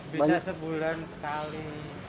bisa sebulan sekali